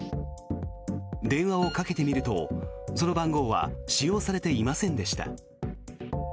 電話をかけてみると、その番号は使用されていませんでした。